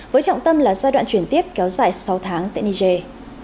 với trọng tâm là giai đoạn chuyển tiếp kéo dài sáu tháng tại niger